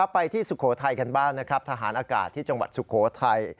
ไปที่สุโขทัยกันบ้างนะครับทหารอากาศที่จังหวัดสุโขทัย